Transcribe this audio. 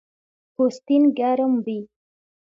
پوستین ګرم وي